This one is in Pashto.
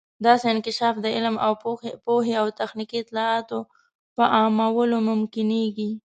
داسې انکشاف د علم او پوهې او تخنیکي اطلاعاتو په عامولو ممکنیږي.